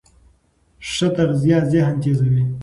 ښه تغذیه ذهن تېزوي.